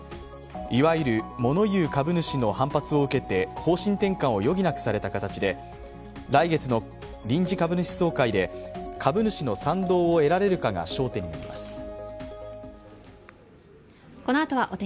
いわゆる物言う株主の反発を受けて方針転換を余儀なくされた形で来月の臨時株主総会で株主の賛同を得られるかが焦点になります。